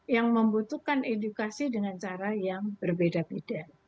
yang membutuhkan edukasi dengan cara yang berbeda beda